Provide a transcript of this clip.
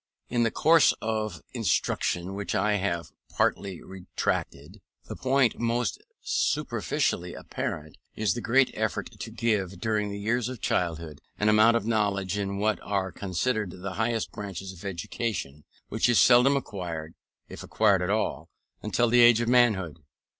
In the course of instruction which I have partially retraced, the point most superficially apparent is the great effort to give, during the years of childhood, an amount of knowledge in what are considered the higher branches of education, which is seldom acquired (if acquired at all) until the age of manhood.